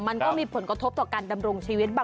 มันก็มีผลกระทบต่อการดำรงชีวิตบาง